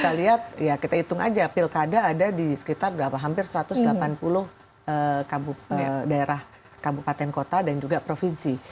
jadi setiap ya kita hitung aja pilkada ada di sekitar berapa hampir satu ratus delapan puluh daerah kabupaten kota dan juga provinsi